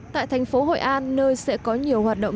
tại thành phố hội an nơi sẽ có nhiều hoạt động